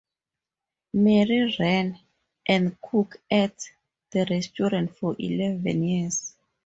Mary ran, and cooked at, the restaurant for eleven years.